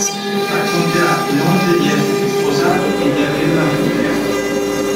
Racconterà, inoltre, di essersi sposato e di avere una figlia.